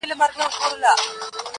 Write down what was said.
چا له نظره کړې د ښکلیو د مستۍ سندري؛